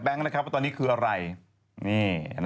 แต่ห้ามโกหกต้องไปรับจริงนะ